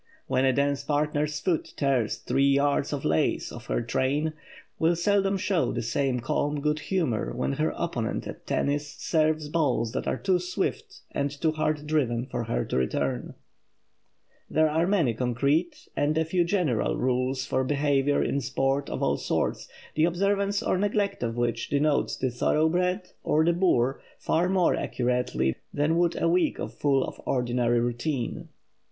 when a dance partner's foot tears three yards of lace off her train, will seldom show the same calm good humor when her opponent at tennis serves balls that are too swift and too hard driven for her to return. There are many concrete and a few general rules for behavior in sport of all sorts, the observance or neglect of which denotes the "thoroughbred" or the boor far more accurately than would a week full of ordinary routine.